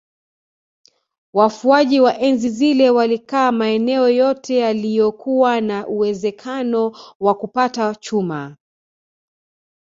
Wafuaji wa enzi zile walikaa maeneo yote yaliyokuwa na uwezekano wa kupata chuma